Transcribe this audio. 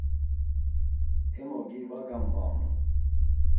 Em ogi va gamvaonu.